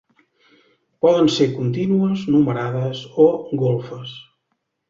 Poden ser contínues, numerades o golfes.